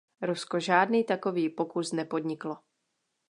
Rusko žádný takový pokus nepodniklo.